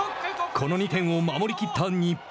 この２点を守りきった日本。